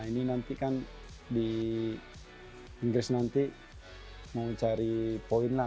ini nanti kan di inggris nanti mau cari poin lah